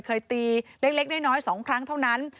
เคยตีเล็กน้อย๒ครั้งเท่านั้น